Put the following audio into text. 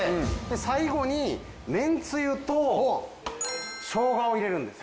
最後にめんつゆとしょうがを入れるんです。